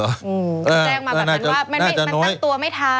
ก็แจ้งมาแบบมันตั้งตัวไม่ทัน